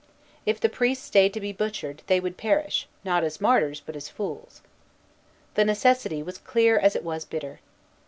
If the priests stayed to be butchered, they would perish, not as martyrs, but as fools. The necessity was as clear as it was bitter.